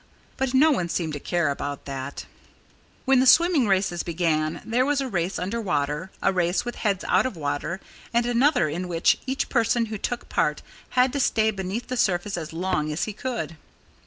But no one seemed to care about that. Then the swimming races began. There was a race under water, a race with heads out of water and another in which each person who took part had to stay beneath the surface as long as he could.